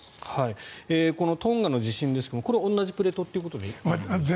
このトンガの地震ですがこれは同じプレートということですか？